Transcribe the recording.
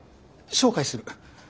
紹介する。